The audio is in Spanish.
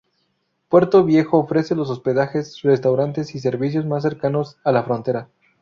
Puerto Viejo ofrece los hospedajes, restaurantes y servicios más cercanos a la frontera.